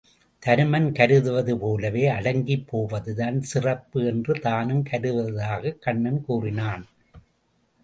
தருமன் கருதுவது போலவே அடங்கிப் போவதுதான் சிறப்பு என்று தானும் கருதுவதாகக் கண்ணன் கூறினான்.